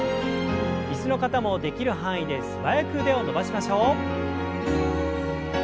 椅子の方もできる範囲で素早く腕を伸ばしましょう。